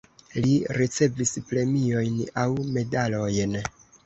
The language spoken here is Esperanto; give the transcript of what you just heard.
Li ricevis premiojn aŭ medalojn.